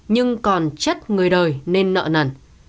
nhưng còn chất người đời nên nợ nần